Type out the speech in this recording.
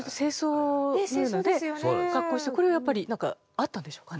これはやっぱり何かあったんでしょうかね？